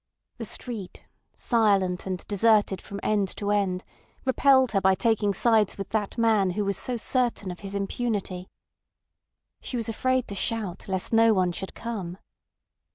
The street, silent and deserted from end to end, repelled her by taking sides with that man who was so certain of his impunity. She was afraid to shout lest no one should come.